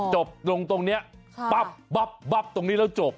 จบลงตรงนี้ปั๊บตรงนี้แล้วจบ